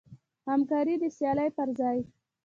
همکاري د سیالۍ پر ځای.